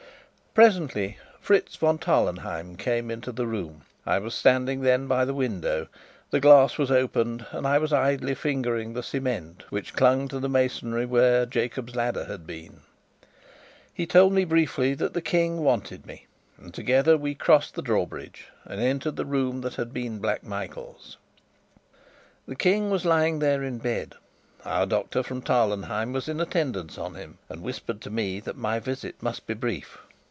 Presently Fritz von Tarlenheim came into the room. I was standing then by the window; the glass was opened, and I was idly fingering the cement which clung to the masonry where "Jacob's Ladder" had been. He told me briefly that the King wanted me, and together we crossed the drawbridge and entered the room that had been Black Michael's. The King was lying there in bed; our doctor from Tarlenheim was in attendance on him, and whispered to me that my visit must be brief.